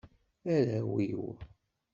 Arraw-iw.